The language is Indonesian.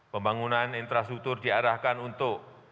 pembangunan infrastruktur diarahkan untuk